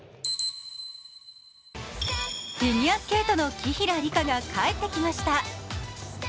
フィギュアスケートの紀平梨花が帰ってきました。